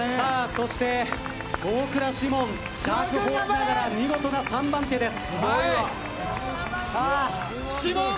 そして大倉士門ダークホースながら見事な３番手です。